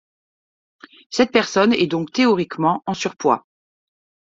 Cette personne est donc théoriquement en surpoids.